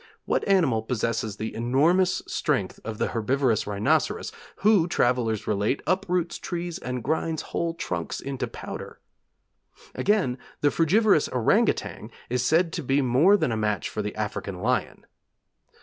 What animal possesses the enormous strength of the herbivorous rhinoceros, who, travellers relate, uproots trees and grinds whole trunks to powder? Again, the frugivorous orang outang is said to be more than a match for the African lion.